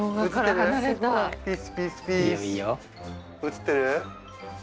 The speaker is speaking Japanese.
写ってる？